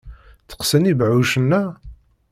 Tteqqsen yibeɛɛucen-a?